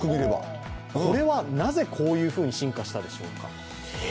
なぜこういうふうに進化したでしょうか。